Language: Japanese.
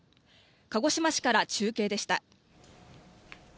鹿児島市から中継でした。